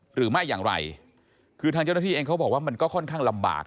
หรือไม่อย่างไรคือทางเจ้าหน้าที่เองเขาบอกว่ามันก็ค่อนข้างลำบาก